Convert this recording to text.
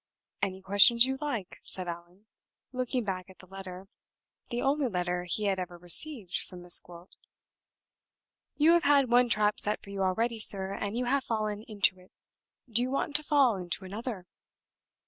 "Any questions you like," said Allan, looking back at the letter the only letter he had ever received from Miss Gwilt. "You have had one trap set for you already, sir, and you have fallen into it. Do you want to fall into another?"